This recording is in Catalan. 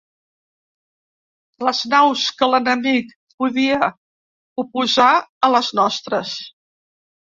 Les naus que l'enemic podia oposar a les nostres.